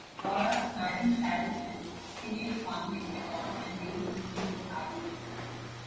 Laura, Marie, Sharon and Sinead Conway were born and raised in Sligo, Ireland.